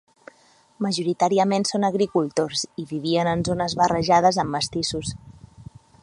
Majoritàriament són agricultors i vivien en zones barrejades amb mestissos.